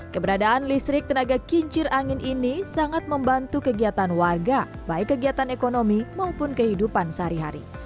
keberadaan listrik tenaga kincir angin ini sangat membantu kegiatan warga baik kegiatan ekonomi maupun kehidupan sehari hari